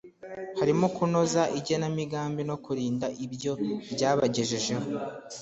harimo kunoza igenamigambi no kurinda ibyo ryabagejejeho